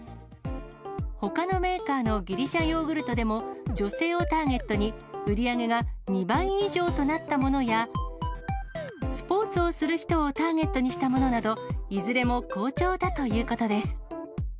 ほかのメーカーのギリシャヨーグルトでも、女性をターゲットに、売り上げが２倍以上となったものや、スポーツをする人をターゲットにしたものなど、いずれも好調だということです。